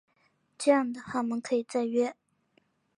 这样的话我们可以再约